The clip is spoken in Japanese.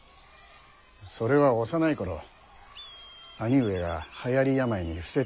それは幼い頃兄上がはやり病に伏せっておられたから。